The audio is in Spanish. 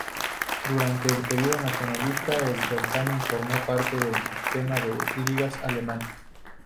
Durante el período nacionalsocialista, el certamen formó parte del sistema de ligas alemán.